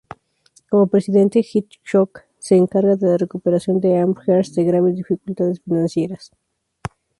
Como presidente, Hitchcock se encarga de la recuperación de Amherst de graves dificultades financieras.